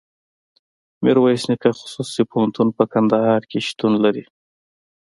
ميرویس نيکه خصوصي پوهنتون په کندهار ولایت کي شتون لري.